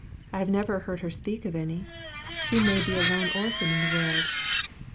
I have never heard her speak of any: she may be a lone orphan in the world."